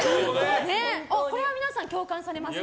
これは皆さん共感されますか。